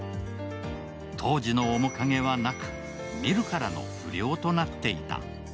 当時の面影はなく見るからの不良となっていた。